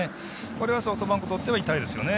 これはソフトバンクにとっては痛いですよね。